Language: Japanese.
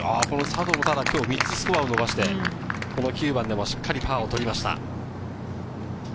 佐藤も３つスコアを伸ばして、この９番でもしっかりパーを取りました。